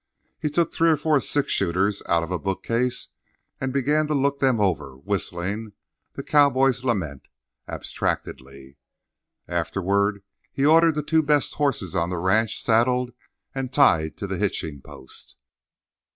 He took three or four six shooters out of a bookcase and began to look them over, whistling "The Cowboy's Lament" abstractedly. Afterward he ordered the two best horses on the ranch saddled and tied to the hitching post.